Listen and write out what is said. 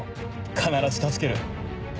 必ず助ける。